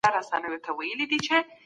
ډاکټر به د ناروغۍ علت موندلی وي.